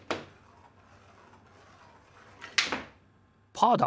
パーだ！